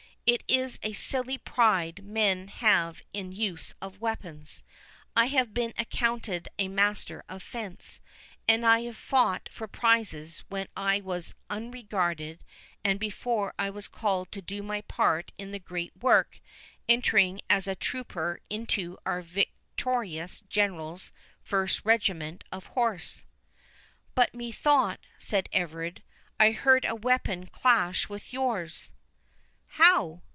It is a silly pride men have in the use of weapons. I have been accounted a master of fence, and have fought for prizes when I was unregenerated, and before I was called to do my part in the great work, entering as a trooper into our victorious General's first regiment of horse." "But methought," said Everard, "I heard a weapon clash with yours?" "How?